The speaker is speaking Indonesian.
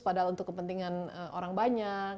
padahal untuk kepentingan orang banyak